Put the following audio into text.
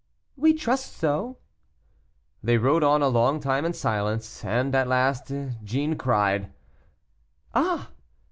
"We trust so." They rode on a long time in silence, and at last Jeanne cried: "Ah!